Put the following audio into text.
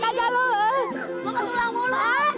enggak mau kekit